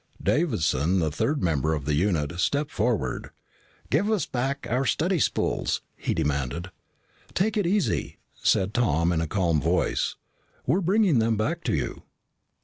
Davison, the third member of the unit, stepped forward. "Give us back our study spools," he demanded. "Take it easy," said Tom in a calm voice. "We were bringing them back to you."